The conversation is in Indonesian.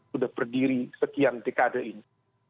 sudah berdiri sekian dekade ini